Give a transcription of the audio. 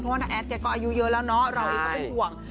เพราะน้าแอดก็อายุเยอะแล้วเนาะเราก็จะห่วง